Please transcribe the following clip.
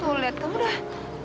tuh lihat kamu udah